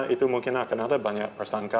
itu mungkin akan ada banyak tersangka